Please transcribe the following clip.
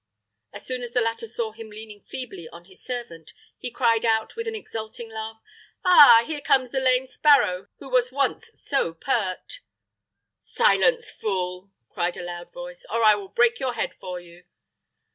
As soon as the latter saw him leaning feebly on his servant, he cried out, with an exulting laugh, "Ah, here comes the lame sparrow who was once so pert." "Silence, fool!" cried a loud voice, "or I will break your head for you."